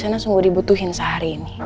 karena sungguh dibutuhin sehari ini